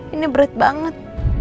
ini berat banget